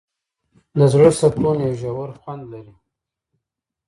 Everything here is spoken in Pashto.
د زړه سکون یو ژور خوند لري.